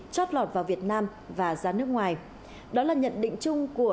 chót lọt vào việt nam và ra nước ngoài đó là nhận định chung của